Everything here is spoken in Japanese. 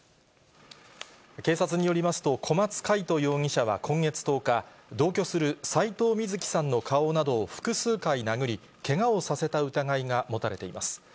警察によりますと、小松魁人容疑者は今月１０日、同居する斎藤瑞希さんの顔などを複数回殴り、けがをさせた疑いが持たれています。